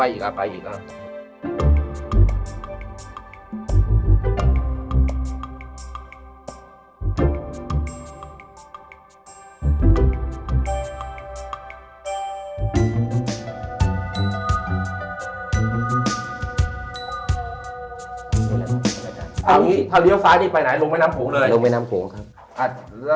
เอาอย่างนี้ถ้าเลี้ยวซ้ายนี่ไปไหนลงแม่น้ำโขงเลยลงแม่น้ำโขงครับ